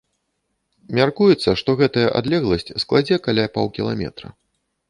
Мяркуецца, што гэтая адлегласць складзе каля паўкіламетра.